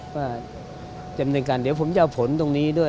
ว่าจำเนินการเดี๋ยวผมจะเอาผลตรงนี้ด้วย